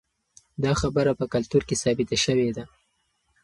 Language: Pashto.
دا خبره په کلتور کې ثابته شوې ده.